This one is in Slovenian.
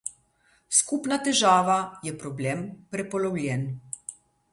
Skupna težava je problem prepolovljen.